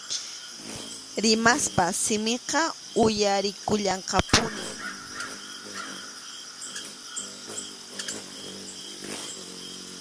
Rimasqa simiqa uyarikullanqapuni.